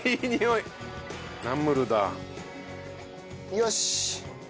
よし。